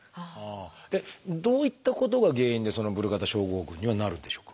どういったことが原因でそのブルガダ症候群にはなるんでしょうか？